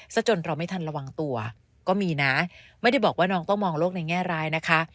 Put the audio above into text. จนเราไม่ทันระวังตัวก็มีนะไม่ได้บอกว่าน้องต้องมองโลกในแง่ร้ายนะคะ